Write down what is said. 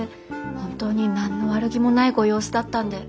本当に何の悪気もないご様子だったんで。